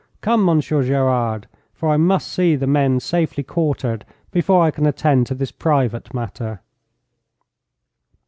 Come, Monsieur Gerard, for I must see the men safely quartered before I can attend to this private matter.'